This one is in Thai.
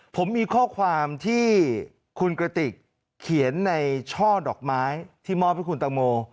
ผมมีข้อความที่คุณกระติกเขียนในช่อดอกไม้ที่มอบให้คุณตังโม